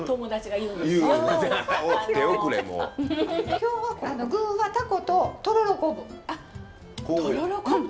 今日は具はたこととろろ昆布。